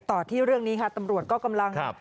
ต่อที่เรื่องนี้ค่ะตำรวจก็กำลัง